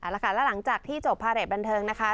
แล้วหลังจากที่จบพาเรจบันเทิงนะคะ